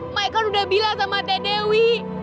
mai kan udah bilang sama teh dewi